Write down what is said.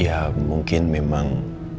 ya mungkin memang